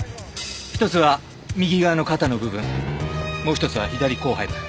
一つは右側の肩の部分もう一つは左後背部。